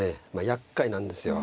やっかいなんですよ。